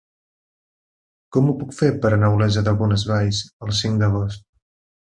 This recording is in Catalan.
Com ho puc fer per anar a Olesa de Bonesvalls el cinc d'agost?